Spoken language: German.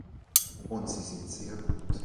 Und sie sind sehr gut.